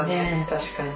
確かに。